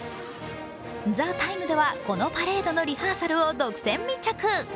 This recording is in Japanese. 「ＴＨＥＴＩＭＥ，」ではこのパレードのリハーサルを独占密着。